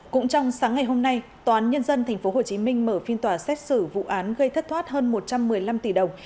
cũng trong sáng ngày hôm nay tòa án nhân dân tp hcm mở phiên tòa xét xử vụ án gây thất thoát hơn một trăm một mươi năm tỷ đồng